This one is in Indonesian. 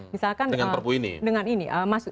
dengan perpu ini dengan ini